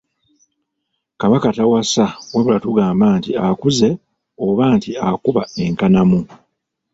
Kabaka tawasa wabula tugamba nti akuze oba nti akuba enkanamu.